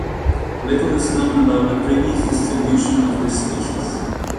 Little is known about the previous distribution of this species.